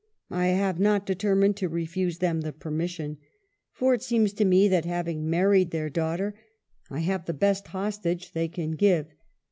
I have not determined to refuse them the permission, for it seems to me that, having married their daughter, I have the best hostage they can give.